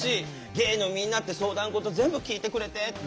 ゲイのみんなって相談事全部聞いてくれてって。